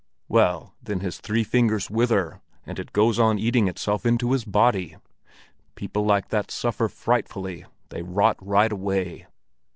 "Well, then his three fingers wither, and it goes on eating itself into his body. People like that suffer frightfully; they rot right away."